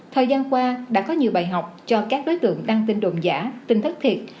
thời gian qua đã có nhiều bài học cho các đối tượng đăng tin đồn giả tin thất thiệt